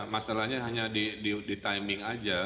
masalahnya hanya di timing saja